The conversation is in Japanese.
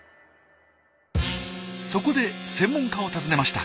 そこで専門家を訪ねました。